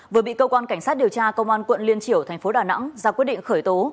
vừa bị cơ quan cảnh sát điều tra công an quận liên triểu thành phố đà nẵng ra quyết định khởi tố